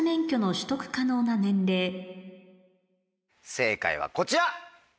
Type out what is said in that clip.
正解はこちら！